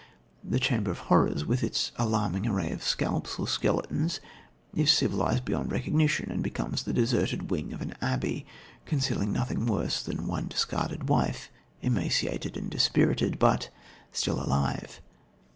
The chamber of horrors, with its alarming array of scalps or skeletons, is civilised beyond recognition and becomes the deserted wing of an abbey, concealing nothing worse than one discarded wife, emaciated and dispirited, but still alive.